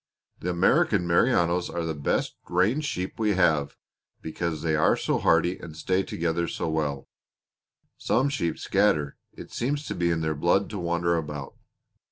The American Merinos are the best range sheep we have, because they are so hardy and stay together so well. Some sheep scatter. It seems to be in their blood to wander about.